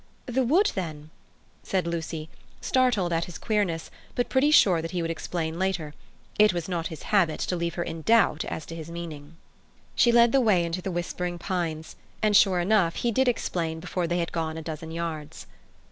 The wood, then," said Lucy, startled at his queerness, but pretty sure that he would explain later; it was not his habit to leave her in doubt as to his meaning. She led the way into the whispering pines, and sure enough he did explain before they had gone a dozen yards.